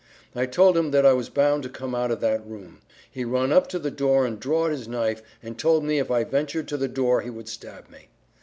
I told him that I was bound to come out of that room. He run up to the door and drawed his knife and told me if I ventured to the door he would stab me.